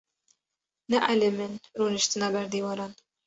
Neelîmin rûniştina ber dîwaran.